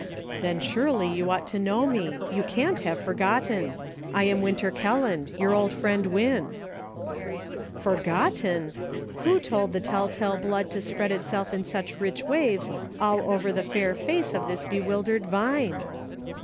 "Then surely you ought to know me ; you can't have forgotten ! I am Winter Kelland — your old friend Win." Forgotten ! Who told the tell tale blood to spread itself in such rich waves all over the fair face of this bewildered Vine